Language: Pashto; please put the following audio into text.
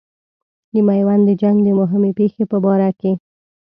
د میوند د جنګ د مهمې پیښې په باره کې.